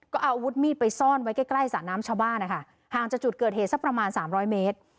ก็เอาอาวุธมีดไปซ่อนไว้ใกล้ใกล้สระน้ำชาวบ้านนะคะห่างจากจุดเกิดเหตุสักประมาณสามร้อยเมตร